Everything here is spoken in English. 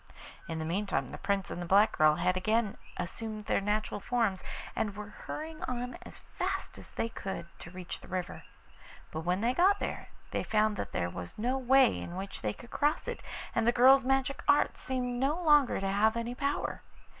In the meantime the Prince and the black girl had again assumed their natural forms, and were hurrying on as fast as they could to reach the river. But when they got there they found that there was no way in which they could cross it, and the girl's magic art seemed no longer to have any power.